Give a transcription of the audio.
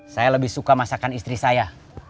saya lebih suka masakan istri saya